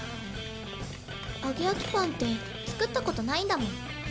揚げ焼きパンって作ったことないんだもん。